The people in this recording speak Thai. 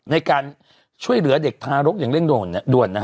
ในการช่วยเหลือเด็กทารกอย่างเร่งด่วนนะฮะ